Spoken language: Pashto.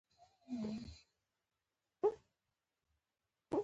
له پلاستيکي فرشه مړې خاورې پورته شوې.